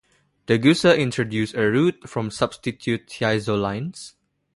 Degussa introduced a route from substituted thiazolines.